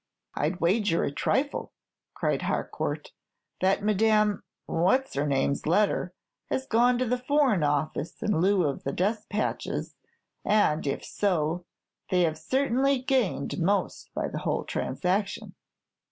"I'd wager a trifle," cried Harcourt, "that Madame What 's her name's letter has gone to the Foreign Office in lien of the despatches; and, if so, they have certainly gained most by the whole transaction."